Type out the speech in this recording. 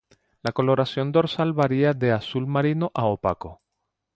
La coloración dorsal varía de azul marino a opaco.